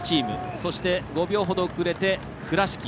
そして、５秒ほど送れて倉敷。